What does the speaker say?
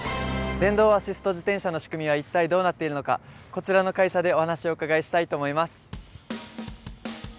電動アシスト自転車の仕組みは一体どうなっているのかこちらの会社でお話をお伺いしたいと思います。